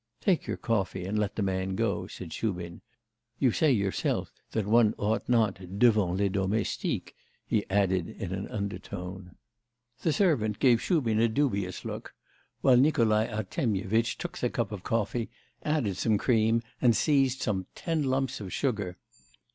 'Take your coffee, and let the man go,' said Shubin. 'You say yourself that one ought not devant les domestiques' he added in an undertone. The servant gave Shubin a dubious look, while Nikolai Artemyevitch took the cup of coffee, added some cream, and seized some ten lumps of sugar.